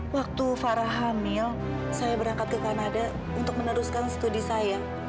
waktu farah hamil saya berangkat ke kanada untuk meneruskan studi saya